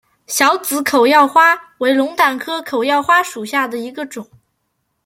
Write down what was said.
小籽口药花为龙胆科口药花属下的一个种。